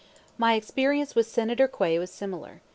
My experience with Senator Quay was similar.